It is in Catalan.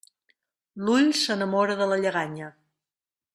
L'ull s'enamora de la lleganya.